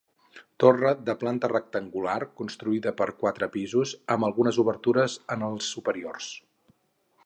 Torre de planta rectangular constituïda per quatre pisos amb algunes obertures en els superiors.